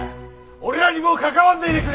俺らにもう関わんねえでくれ！